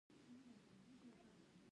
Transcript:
د پرازیتونو لپاره د کدو تخم وخورئ